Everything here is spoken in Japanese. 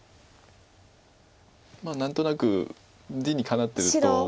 何となく理にかなってると。